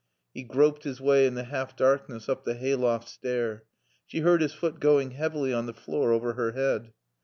He groped his way in the half darkness up the hay loft stair. She heard his foot going heavily on the floor over her head.